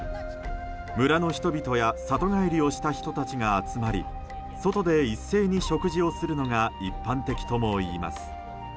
村の人々や里帰りをした人たちが集まり外で一斉に食事をするのが一般的ともいいます。